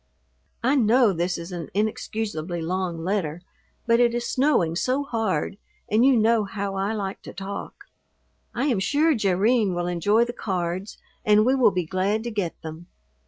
I know this is an inexcusably long letter, but it is snowing so hard and you know how I like to talk. I am sure Jerrine will enjoy the cards and we will be glad to get them.